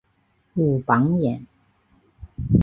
武榜眼。